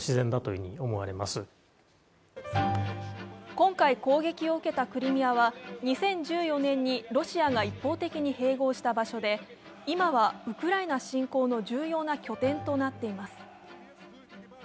今回攻撃を受けたクリミアは、２０１４年にロシアが一方的に併合した場所で今はウクライナ侵攻の重要な拠点となっています。